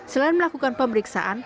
selain melakukan pemeriksaan